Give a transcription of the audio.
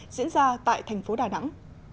diễn ra tại thành phố đà nẵng